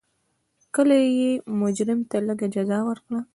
کله یې مجرم ته لږه جزا ورکړه.